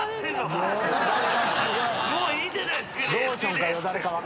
「もういいんじゃないっすか？